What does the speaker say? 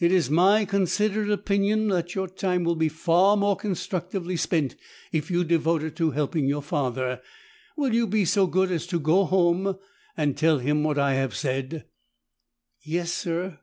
It is my considered opinion that your time will be far more constructively spent if you devote it to helping your father. Will you be so good as to go home and tell him what I have said?" "Yes, sir."